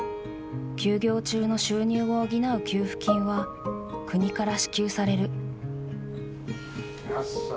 休業中の収入を補う給付金は国から支給される。